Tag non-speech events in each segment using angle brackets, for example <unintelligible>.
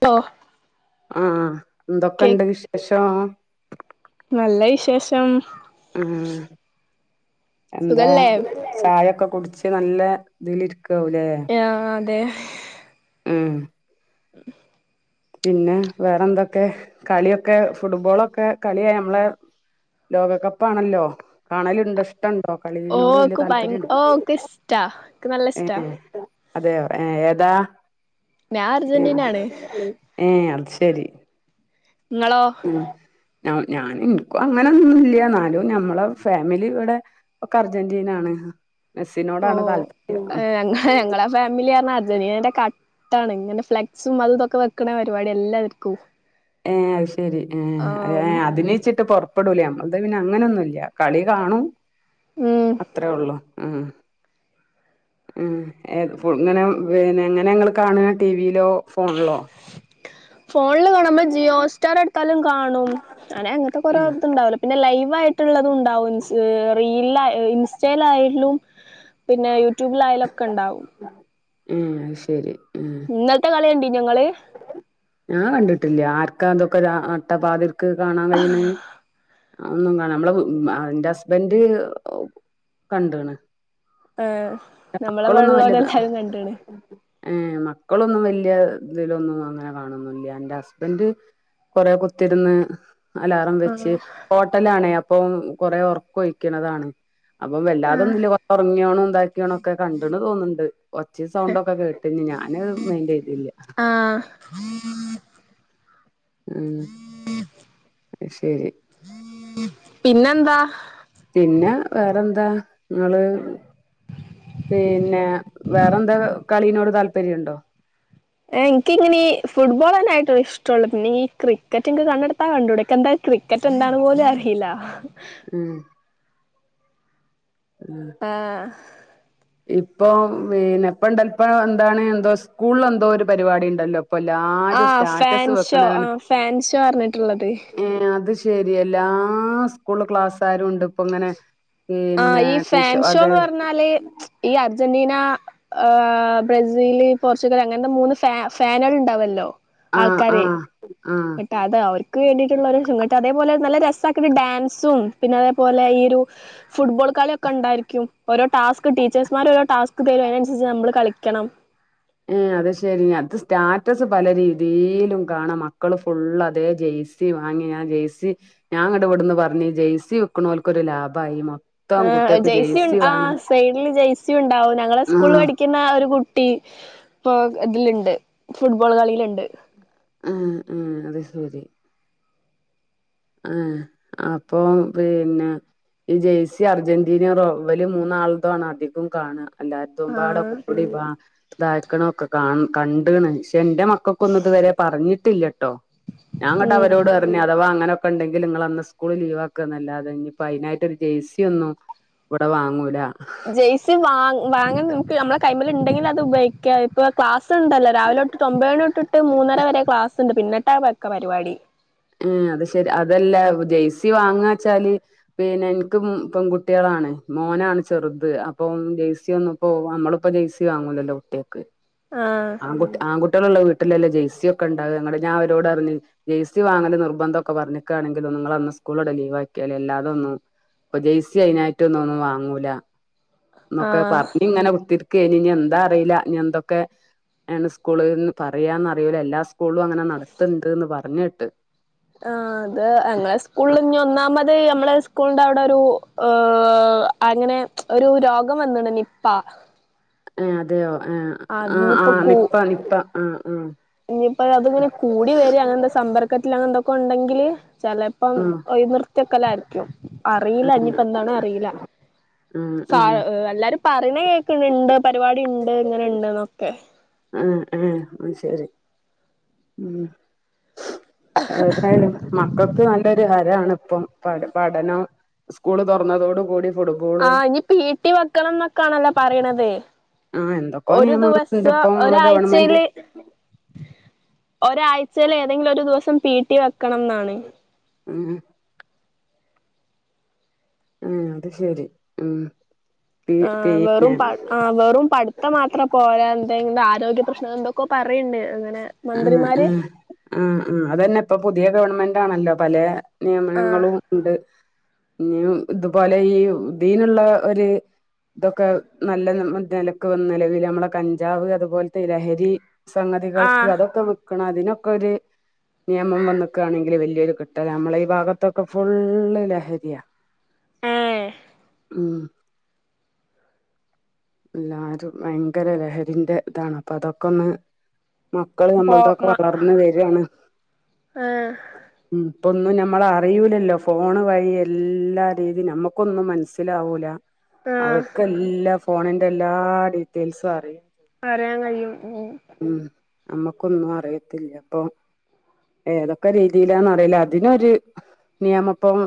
പ്പോ <unintelligible> ആഹ എന്തൊക്കെ ഇണ്ട് വിശേഷം നല്ല വിശേഷം ആഹ എന്താ സുഖല്ലേ ചായൊക്കെ കുടിച്ച് നല്ല ഇതിൽ യാ അതെ ങും ഉ പിന്നെ വേറെന്തൊക്കെ കളിയൊക്കെ ഫുട്ബോളൊക്കെ കളിയായി നമ്മളെ ലോകകപ്പാണല്ലോ കാണലുണ്ട ഓ ഓക്ക് ഭയ ഓ ഒക്ക് ഇഷ്ടാ ഹഖ് നല്ല ഇഷ്ടാ അതെയ ഏ ഏതാ ഞാൻ അർജന്റീന ആണ് ഏ അത് ശരി നിങ്ങളോ ഞ ഞാൻ എനിക്കും അങ്ങനൊന്നുംല്ല എന്നാലും ഞമ്മളെ ഫാമിലി ഇവിടെ ഒക്കെ അർജന്റീന ആണ് ഓ ഞങ്ങ ഞങ്ങളെ ഫാമിലി നിയന്റെ കട്ടാണ് ഇങ്ങെ ഫ്ലെക്സും അത് ഇതൊക്കെ വെക്കണ പരിപാടി എല്ലാവർക്കും ഫ് ശരി ആ ഏ അതിന്ച്ചിട്ട് പുറ അപ്പടൂലേ നമ്മളത് പിന്നെ അങ്ങനെൊന്നും ഇല്ല കളി കാണും ഉം അത്രേ ഉള്ളൂ ഉം ഉം ഇങ്ങനെ പിന്നെ എങ്ങനെ നിങ്ങൾ കാണ്അ ടിവിയിലോ ഫോണ്ല്ലോ ഫോണിൽ കാണുമ്പം ജിയോ സ്റ്റാർ എടുത്താലും കാണും അങ്ങെ അങ്ങനത്തെ കുറെ ആഹ് ഇത്ണ്ടാവില്ലേ പിന്നെ ലൈവ് ആയി ള്ളതും ണ്ടാവും റീല് ഇൻസ്റ്റേൽ ആയാലും പിന്നെ യുട ട്യൂബിലായാലൊക്കെ ഉണ്ടാവും ആ ശരി ഇന്നത്തെ കളിയണ്ടി ഞങ്ങള് ഞാൻ കണ്ടിട്ടില്ല ആർക്കാ അതൊക്കെ അട്ടപ്പാതി ക്ക് കാണാൻ കഴീണ് ഒന്നും കാണാ നമ്മളെ എന്റെ ഹസ്ബന്ഡ് കണ്ടണ് ആഹ് മക്കളൊന്നും വലുതാ ഏ മക്കളൊന്നും വല്ല്യ ഇതിലൊന്നും അങ്ങനെ കാണുന്നുല്ല്യ എന്റെ ഹസ്ബന്റ് കൊറേ കുത്തിരുന്ന് അലാറം വെച്ച് ആഹ് ഹോട്ടലാണേ ഇപ്പോം കൊറേ ഒറക്കം ഒഴിക്കുന്നതാണ് അപ്പം വല്ലാതൊന്നും ഇല്ല കൊറേ ഒറങ്ങിയോണം ഇതാ യണൊക്കെ കണ്ട്ണ്‌ തോന്നുന്നുണ്ട് ഒച്ചെ സൗണ്ടൊക്കെ കേട്ടിന് ഞാന് മൈന്റ് ചെയ്തില്ല ആഹ് ഉം ശരി പിന്നെന്താ പിന്നെ വേറെന്താ നിങ്ങള് പിന്നെ വേറെന്താ കളീനോട് താല്പര്യം ഉണ്ടോ ഏഹ് എനിക്കിങ്ങിനീ ഫുട്ബോൾ തന്നെയായിട്ടുള്ള ഇഷ്ട്ടൊള്ളൂ പിന്നെ ഇനി ക്രിക്കറ്റ് എൻക്ക് കണ്ണെടുത്താ കണ്ടൂട എൻക്ക് എന്തായാലും ക്രിക്കറ്റ് എന്താണെന്ന് പോലും അറിയില്ല ഉം ആഹ് ഇപോം പീനെ ഇപ്പണ്ടേൽ ഇപ്പ എന്താണ് എന്തോ സ്കൂളിൽ എന്തോ ഒരു പരിപാടി ഇണ്ടല്ലോ ആഹ് ഫാൻ ഷോ ആഹ് ഫാൻ ഷോ പറഞ്ഞിട്ടുള്ളത് ശരി എല്ലാ സ്കൂൾ ക്ലാസ്സുകാരും ഉണ്ട് ഇപ്പൊ ഇങ്ങനെ ആ പിന്നെ ഈ ടീച്ച ഫാൻ ഷോ അതെ എന്ന് പറഞ്ഞാല് ഈ അർജന്റീന ആഹ് ബ്രസീല് പോർച്ചുഗൽ അങ്ങനത്തെ മൂന്ന് ഫാ ഫാനുകൾ ഉണ്ടാവല്ലോ ആഹ് ആഹ് ആഹ് ഇട്ട് അത് അവർ ക്ക് വേണ്ടിയിട്ടുള്ള ശുങ്കത്ത് അതേപോലെ നല്ല രസാക്കിണി ഡാൻസും പിന്നെ അതേപോലെ ഈ ഒരു ഫുട്ബോൾ കളിയൊക്കെ ഉണ്ടായിരിക്കും ഓരോ ടാസ്ക് ടീച്ചേഴ്സ്മാര് ഓരോ ടാസ്ക് തരും അയിനനുസരിച്ച് നമ്മള് കളിക്കണം ഏഹ് അത് ശരി അത് സ്റ്റാറ്റസ് പല രീതീലും കാണാം മക്കള് ഫുള്ള് അതേ ജേഴ്സി വാങ്ങി ഞാൻ ജേഴ്സി ഞാങ്ങട് ഇവിടുന്ന് പറഞ്ഞ് ജേഴ്സി വിക്കണോൽക്കൊരു ലാഭായി മൊ ആ ജെയ്സി ഉ ആ സൈഡില് ജെയ്സി ഉണ്ടാവും ഞങ്ങളെ സ്കൂളിൽ ആഹ് പഠിക്കുന്ന ഒരു കുട്ടി ഇപ്പൊ ഇതിലുണ്ട് ഫുട്ബോൾ കളിയിലുണ്ട് ആഹ് ആഹ് അത് ശെരി ആ അപ്പൊ പിന്നെ ഈ ജേയ്സി അർജന്റീന റോവ്വല് മൂന്നാൾതോ ആണ് അധികവും കാണുക എല്ലായിത്തുംപാട ആഹ് കുപ്പിളി വാ ഇതാക്കണ ഒക്കെ കാൺ കണ്ട് നശി എന്റെ മക്കക്കൊന്നും ഇതുവരെ പറഞ്ഞ് ട്ടില്ല ട്ടോ ഞാങ്ങട്ട് ഉം അവരോട് പറഞ്ഞ് അഥവാ അങ്ങനെ ഉണ്ടെങ്കിൽ നിങ്ങളെ അന്ന സ്കൂള് ലീവാക്കുകന്നല്ലാതെ ഇപ്പോ അതിനായിട്ട് ഒരു ജേഴ്സി ഒന്നും ഇവിടെ വാങ്ങൂല ജെയ്സി വാങ്ങ വാങ്ങാൻ നമ്മക്കെ നമ്മ കൈമ്മേൽ ഉണ്ടെങ്കിൽ അത് ഉപയോഗിക്കുക ഇപ്പൊ ക്ലാസ് ഉണ്ടല്ലോ രാവിലെ തൊട്ടിട്ട് ഒമ്പതര തൊട്ടിട്ടെ മൂന്നര വരെ ക്ലാസ്സുണ്ട് പിന്നെ പട്ടാ പക്ക പരിപാടി ഉം അത് ശെരി അതല്ല ജേഴ്സി വാങ്ങാ വെച്ചാല് പിന്നെ എനിക്ക് മൂന്ന് പെൺകുട്ടികളാണ് മോനാണ് ചെറുത് അപ്പം ജേഴ്സി ഒന്നും ഇപ്പോ നമ്മളിപ്പോ ജേഴ്സി വാങ്ങൂലല്ലോ കുട്ടികൾക്ക് ആഹ് ആൺകുട്ടി ആൺകുട്ടികളുള്ള വീട് ഇല്ലല്ലോ ജേ്സി ഒക്കെ ഉണ്ടാക ഞാൻ അവരോടറിഞ്ഞു ജേ്ഴ്സി വാങ്ങല് നിർബന്ധം ഒക്കെ പറഞ്ഞിക്കയാണെങ്കിൽ നിങ്ങളന്ന് സ്കൂളൂടെ ലീവ് ആക്കിയാല്ലി അ ല്ലാതൊന്നും ഇപ്പൊ ജേഴ്‌സി അതിനായിട്ടൊന്നോന്നും വാങ്ങൂല എന്നൊക്കെ ആഹ് പറഞ്ഞെ ഇതിങ്ങനെ കുത്തി ക്ക ഇനി എന്താ അറിയില്ല നി എന്തൊക്കെ ണ് സ്കൂള് എന്ന് പറയാന്നറിയൂല്ല എല്ലാ സ്കൂളും അങ്ങനെ നടത്ത്ണ്ടന്ന് പറഞ്ഞ് കേ ണ്ട് ആഹ് അത് സ്‌കൂളിന്റവിടൊരു ഏഹ് അങ്ങനെ ഒരു രോഗം വന്ന്ണ് നിപ്പ ഉം അതെയോ ആ ആ ആ അതിനിപ്പോ കൂ നിപ്പ നിപ്പ ആ ഇനിയിപ്പോ അതിങ്ങനെ കൂടി വരി അങ്ങനത്തെ സമ്പർക്കത്തിൽ അങ്ങനന്തൊക്കെ ഉണ്ടെങ്കില് ചെലപ്പം ആഹ് ഒഴിനിർഥ്യ ക്കലായിരിക്കും അറിയില്ല ഇനിപ്പ എന്താണ അറിയില്ല ആഹ് എല്ലാരും പറയണ കേ ക്ക്ണ്ട് പരിപാടി ഉണ്ട് ഇങ്ങനെ ഇണ്ട്ന്നൊക്കെ ആ ആ ആ ശരി ഉം ഏതായാലും മക്കൾക്ക് നല്ല ത് ആരാണിപ്പം പഠനം സ്കൂള് തുറന്നതോടുകൂടി ആ ഇനിപ്പ ഈട്ടി വെക്കണം ന്നൊക്കൊണല്ലോ പറയണത് ആ എന്തൊക്കോ ഒരു നിയമങ്ങുണ്ട് ദിവസം ഇപ്പൊ മ്മളെ ഗവൺമെന്റ് ഒരാഴ്‌ചയിലെ ഏതെങ്കിലും ഒരു ദിവസം പീ ട്ടി വെക്കണം എന്നാണ് ഉം ആ അത് ശരി ഉം പി ആ വെറും പിന്നെ പ ആ വെറും പഠിത്തം മാത്രം പോരാന്നെ എന്ത ആരോഗ്യ പ്രശ്നം എന്തൊക്കോ പറയുണ്ട് അങ്ങനെ ആ ആ മന്ത്രിമാര് ആ ആ അതന്നെ ഇപ്പൊ പുത് പുതിയ ഗവൺമെന്റാണല്ലോ പലേ ആ നിയമനങ്ങളും ഉണ്ട് ഇനിയും ഇതുപോലെ ഈ ഇതിനുള്ള ഒരു ഇതൊക്കെ നല്ല നിലയ്ക്ക് വന്ന നിലിവിൽ നമ്മളെ കഞ്ചാവ് അതുപോലത്തെ ലഹരി സ ആ ക്ക് അതൊക്കെ ക്കണം അതിനൊക്കെ ഒരു നിയമം വന്നേക്കായാണെങ്കിൽ വലിയയൊരു കിട്ടൽ നമ്മളെ ഈ ഭാഗത്തൊക്കെ ഫുള്ള് ലഹരിയാ ഏ ഉം എല്ലാരും ഭയങ്കര ലഹരിന്റെ ഇതാണ് അപ്പൊ അതൊക്കെ ഒന്ന് മക്കൾ പോ നമ്മൾതൊക്കെ മ വളർന്ന് വരണ് ആ ഉം ഇപ്പൊന്നും നമ്മൾ അറിയില്ലല്ലോ ഫോൺ വഴി എല്ലാ രീതി നമ്മക്കൊന്നും മനസ്സിലാവൂല ആ അവർക്ക് എല്ലാം ഫോണിന്റെ എല്ലാ ഡീറ്റെയിൽസും അറിയും പറയാൻ കഴിയും മ് ഉം നമ്മക്കൊന്നും അറിയത്തില്ല അപ്പൊ ഏതൊക്കെ രീതിയിലാന്ന് അറിയില്ല അതിനൊരു നിയമം ഇപ്പം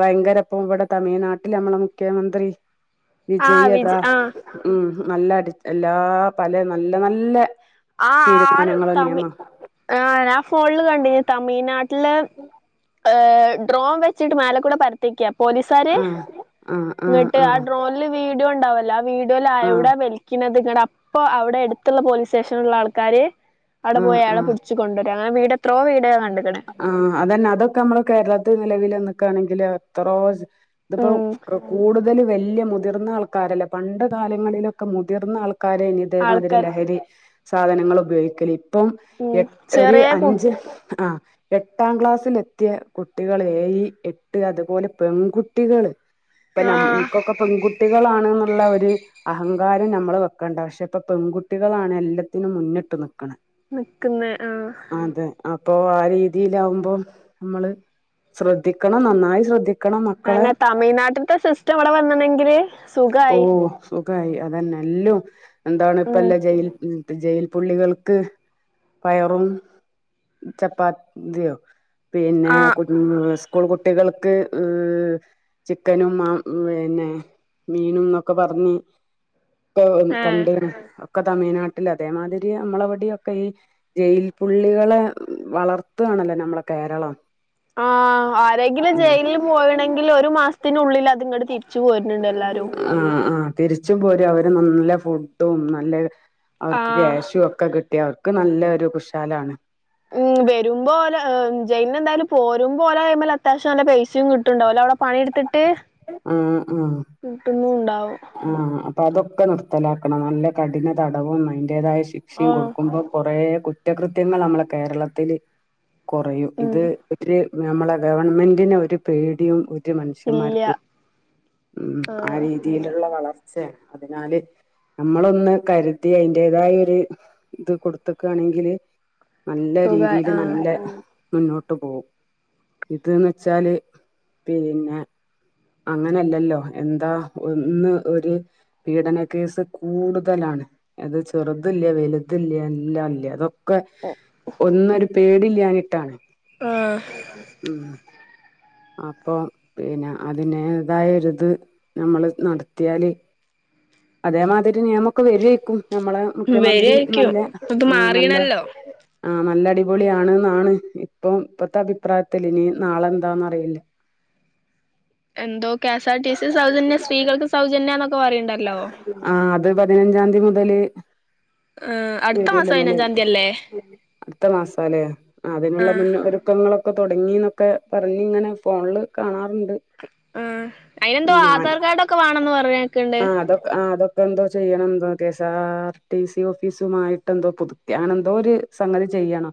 ഭയങ്കര ഇപ്പം ഇവിടെ തമിഴ്നാട്ടിൽ നമ്മളെ മുഖ്യമന്ത്രി ആ വിജയതാ വിജ് ആ ഉം നല്ല അടി എല്ലാ പല നല്ല നല്ല ആ ആ റ് തീരുമാനങ്ങളും തമ്മിൽ നിയമം ആ ഞാൻ ഫോണിൽ കണ്ട് തമിഴ്നാട് <inaudible> ഡ്രോൺ വെച്ചിട്ട് മാലക്കൂടെ പരത്തിക്കാം. പോലീസാർ ആഹ് ആഹ് ആഹ് ഇങ്ങോട്ട് ആ ആഹ് ഡ്രോണിൽ വീഡിയോ ഉണ്ടാവല്ലോ ആ വീഡിയോയിൽ ആഹ് എവിടെ വലിക്കുന്നത് ഇങ്ങട്ട് അപ്പൊ അവിടെ അടുത്തുള്ള പോലീസ് ശേഷമുള്ള ആൾക്കാർ അവിടെ ആഹ് പോയയാളെ പിടിച്ചു കൊണ്ടുവരാ വീട് എത്രോ വീട് നാ ആ അതന്നെ അതൊക്കെ നമ്മുടെ കേരളത്തിൽ നിലവിൽ വന്നിട്ട് നിൽക്കാണെങ്കിൽ എത്രോസ് ഇതിപ്പോ ഉം കൂടു ഓല് വലിയ മുതിർന്ന ആൾക്കാരല്ലേ പണ്ട് കാലങ്ങളിലൊക്കെ മുതിർന്ന ആൾക്കാ കാല ഇതേമാതിരി ആൾക്കാർ ലഹരി സാധനങ്ങൾ ഉപയോഗിക്കൽ ഇപ്പം ഉം എട്ട് ഒരു ചെറിയ കു അഞ്ച് ആ എട്ടാം ക്ലാസ്സിൽ എത്തിയ കുട്ടികൾ ഏഴ് എട്ട് അതുപോലെ പെൺകുട്ടികൾ ഇപ്പ നം ആഹ് ഇൻക്കൊക്കെ ക്കൊക്കെ പെൺകുട്ടികളാണ് ഉള്ള ഒരു അഹങ്കാരം നമ്മൾ വെക്കണ്ട പക്ഷെ ഇപ്പ പെൺകുട്ടികളാണ് എല്ലാത്തിനും മുന്നിട്ട് നിൽക്കു നിക്കുന്ന ആ ഇപ്പൊ ആ രീതി ആ രീതിയിലാകുമ്പോൾ നമ്മൾ ശ്രദ്ധിക്കണം നന്നായി ശ്രദ്ധി അല്ല തമിഴ്നാട്ടിൽത്തെ സിസ്റ്റം ഇവ്ടെ വന്ന്ണെങ്കില് സുഗായി ഗായ് അതന്നെ എല്ലൂം എന്താണ് ഉം ഇപ്പല്ല ജയിൽ ഉ ജയിൽ പുള്ളികൾക്ക് പയറും ചപ്പാത്തി ദ്യോ പിന്നെ ആഹ് കുട് സ്കൂൾ കുട്ടികൾ ക്ക്‌ ഏഹ് ചിക്കനും മ പിന്നെ മീനുംന്നൊക്കെ പറഞ്ഞ് ഏഹ് <unintelligible> ഒക്കെ തമിഴ്നാട്ടില് അതേമാതിരി നമ്മളവിടെയൊക്കെ ഈ ജയിൽ പുള്ളികളെ വളർ ത്തുവാണല്ലൊ ഞമ്മളെ കേരളം. ആ ആരെങ്കിലും ഉം ജയിലിൽ പോവേണെങ്കില് ഒരു മാസത്തിനുള്ളില് അതിങ്ങട് തിരി ച്ചു പോരനെണ്ട് എല്ലാരും. ആഹ് ആഹ് തിരിച്ചും പോരും അവര് നല്ല ഫുഡും നല്ല അവർക്ക് ആഹ് ക്യാഷും ഒക്കെ കി ട്ടി അവർക്ക് നല്ലൊരു കുശാലാണ്. ഉം വരുമ്പ ഓല് ജയിലിന്ന് എന്തായാലും പോരുമ്പോ ഓലെ കയ്യിമ്മല് അത്യാവശ്യം നല്ല പൈസയും കിട്ട്ണ്ടാവല്ലേ അവടെ പണിയെടുത്തി ട്ട് ആഹ് ആഹ് കിട്ടുന്നു ഉണ്ടാവു ആഹ് അപ്പ അതൊക്കെ നിർത്തലാക്കണം നല്ല കഠിന തടവും അതി ന്റെതായ ശിക്ഷയും ആഹ് കൊടുക്കുമ്പ കൊറേ കുറ്റകൃത്യങ്ങൾ നമ്മളെ കേരളത്തില് കുറയും. ഉം ഇത് ഒരു നമ്മളെ ഗവൺമെന്റിനെ ഒരു പേടിയും ഒ രു ഇല്ല മനുഷ്യന്മാർക്കും ഇം ആ ആഹ് രീതിയില് ള്ള വളർച്ച അതിനാല് നമ്മളൊന്ന് കരുതി അതിന്റതായ ഒരു ഇത് കൊടുത്തേക്കാണെങ്കില് നല്ല സുഖായി രീതീല് ആഹ് നല്ല ആ മുന്നോട്ട് പോവും. ഇത് ന്ന് വെച്ചാല് പിന്ന അങ്ങനല്ലല്ലോ എന്താ ഒരു ഇന്ന് ഒരു പീഡന കേസ് കൂടുതലാണ് അത് ചെറുതില്ല വലുതില്ല എല്ലാം ഇല്ലാ അതോ ക്കെ ഒന്നൊരു പേടി ല്ലാഞ്ഞിട്ടാണ് ആഹ് ഉം അപ്പൊ പിന്നെ അതിനേതായൊരു ഇത് നമ്മള് നടത്തിയാല് അതേമാതിരി നിയമൊക്കെ വരേക്കും നമ്മളെ മുഖ്യമന്ത്രി വരായിരിക്കും നല്ല ഇത് ആഹ് നല്ല മാറീണല്ലോ ആ നല്ലടിപൊളിയാണ്ന്നാണ് ഇപ്പം ഇപ്പത്തെ അഭിപ്രായത്തില് ഇനി നാളെന്താന്ന് റീല എന്തോ കെഎസ് ആർ ടി സി സൗജന്യം സ്ത്രീകൾക്ക് സൗജന്യാന്നൊക്കെ പറയ്ണ്ടല്ലോ ആഹ് <inaudible> അടുത്ത മാസം വരുല്ലെങ്കിൽ പതിനഞ്ചാം തീയതിയല്ലേ അടുത്ത മാസാലേ അതിനുള്ള ആഹ് മുന്നൊ ഒരുക്കങ്ങളൊ ക്കെ തുടങ്ങിന്നൊക്കെ പറഞ്ഞിങ്ങനെ ഫോൺല് കാണാറുണ്ട് ആ അയിനെന്തോ ഞാൻ ആധാർ കാർഡ് ഒക്കെ വാണം ന്ന് പറയ് ണെക്ക്ണ്ട്. ക്കെന്തോ ചെയ്യണം എന്തോ കെസ്ആർ ടി സി ഓഫീസുമായിട്ട് എന്തോ പുതുക്കെ അങ്ങനെന്തോ ഒരു സംഗതി ചെയ്യണം.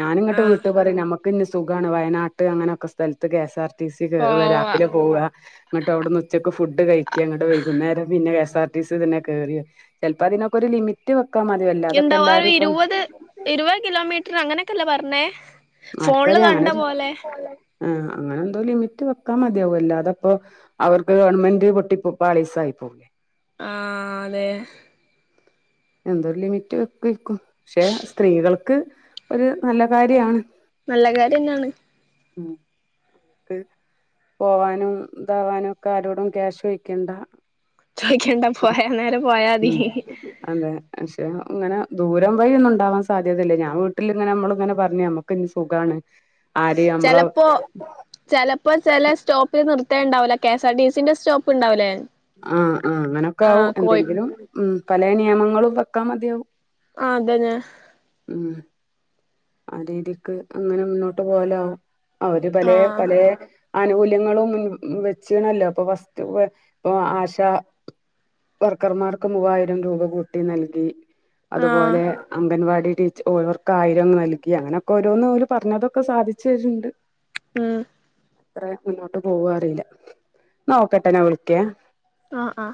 ഞാനിങ്ങട്ട് ആഹ് വീട്ട് പറയും നമ്മ ക്കിഞ്ഞ് സുഖമാണ് വയനാട്ട് അങ്ങനെയൊക്കെ സ്ഥലത്ത് K S R T C പോവാ രാവിലെ പോക ന്നിട്ട് അവിടുന്ന് ഉച്ചക്ക് ഫു ഫുഡ് കഴിക്യാ അങ്ങോട്ട് വൈകുന്നേരം പിന്നെ K S R T C ഇ തന്നെ കേറി ചിലപ്പോ അതിനൊക്കെ ഒരു ലിമിറ്റ് ഫു ഉണ്ടാവ ഇരുപത് ഇരുപത് കിലോമീറ്റർ അങ്ങനെക്കെല്ലേ പർന്നേ ഫോൺള് കണ്ട പോലെ ആഹ അങ്ങനെ എന്തോ ലിമിറ്റ് വെക്കാൻ മതിയാവല്ലോ അല്ലാതാപ്പോ അവർക്ക് ഗവൺമെന്റ് പൊട്ടി പോ പാളീസായി പോവുലെ ആ അതെ ഹെ എന്തോരു ലിമിറ്റ് വെക്കായിരുക്കും ക്ഷെ സ്ത്രീകള് ക്ക് ഒരു നല്ല കാര്യാണ് ക്ക് നല്ലകാര്യംന്നാണ് ഉം ക്ക് പോവാനും ഇതാവാനും ഒക്കെ ആരോടും ക്യാഷ് ചോയ്ക്കണ്ട ചോദിക്കണ്ടാ പോയ നേരെ പോയാതി ഉം ഹി ഹി ഹി അതെ പക്ഷെ ഉ ഇങ്ങനെ ദൂരം വഴി ഒന്നു ണ്ടാവാൻ സാധ്യതയില്ല ഞാൻ വീട്ടില്ങ്ങനെ നമ്മള് ങ്ങനെ പറഞ്ഞ് നമുക്കിനി സുഖാണ് ആര് നമ്മളെ ചെലപ്പോ ചെലപ്പോ ചെല സ്റ്റോപ്പിൽ നിർ ത്തെണ്ടാവില്ല കെ സാ ആർ ടി സിന്റെ സ്റ്റോപ്പ്ണ്ടാവുല്ലേ ആ ആ അങ്ങനെയൊക്കാവും എന്തെങ്കിലും ഉം പല നിയമങ്ങളും പ ക്ക മതിയാവും ആ അതെന്നെ ഉംമ്മ് അ രീതിക്ക് അങ്ങനെ മുന്നോട്ട് പോവാലാവും അവര് പലേ ആഹ് പലേ ആനുകൂല്യങ്ങളും മമ് വെച്ചണല്ലോ അപ്പൊ ഫസ്റ്റ് വ ആശ വർക്കർമാർക്ക് മൂവായിരം രൂപ കൂട്ടി നൽകി അ ആഹ് അതുപോലെ അംഗൻവാടി ടി ടീച്ച് ഓരോർക്കായിരം നൽകി ക്കി അങ്ങനെയൊക്കെ ഓരോന്നോല് പറഞ്ഞതൊക്കെ സാധിച്ചര്ണ്ട് ഉംമ്മ് അത്ര മുന്നോട്ട് പോവോറില്ല ന്ന ഓക്കേ ട്ടോ ന്നാ വിളിക്ക്യാ അ അ